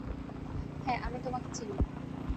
হ্যাঁ, আমি তোমাকে চিনি।